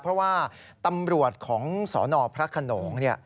เพราะว่าตำรวจของสนพระขนง